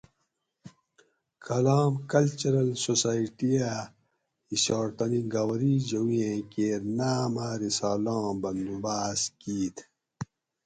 کالام کلچرل سوسائٹی اۤ ہیچھاٹ تانی گاؤری جوؤ ایں کیر نام ا رسالاں بندوباۤس کِیت